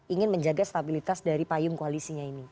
ingin menjaga stabilitas dari payung koalisinya ini